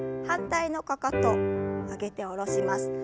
反対のかかと上げて下ろします。